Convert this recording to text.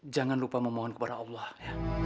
jangan lupa memohon kepada allah ya